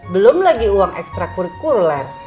belum lagi uang ekstra kur kur